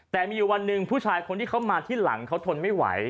แต่มีอยู่วันหนึ่งผู้ชายคนที่เขามาที่หลังเขาทนไม่ไหว